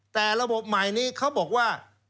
แต่ระบบใหม่นี้เขาบอกว่า